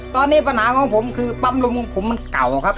ตอนนี้ปัญหาของผมคือปั๊มลมของผมมันเก่าครับ